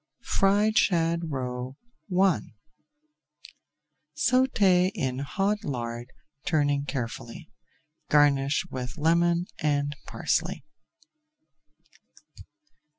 FRIED SHAD ROE I Sauté in hot lard, turning carefully. Garnish with lemon and parsley.